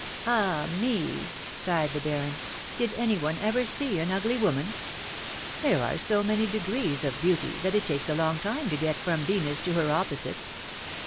" Ah, me/' sighed the Baron, " did any one ever see an ugly woman ? There are so many degrees of beauty that it takes a long time to get from Venus to her opposite.